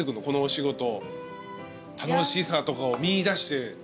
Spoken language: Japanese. このお仕事楽しさとかを見いだして。